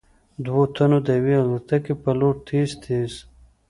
دوو تنو د يوې الوتکې په لور تېز تېز �